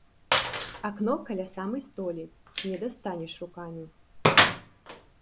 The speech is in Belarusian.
Акно каля самай столі, не дастанеш рукамі.